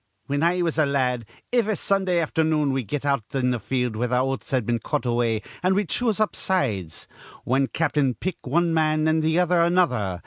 "Whin I was a la ad, iv a Sundah afthernoon we'd get out in th' field where th' oats'd been cut away, an' we'd choose up sides. Wan cap'n'd pick one man, an' th' other another.